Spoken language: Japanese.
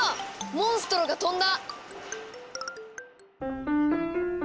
モンストロが飛んだ！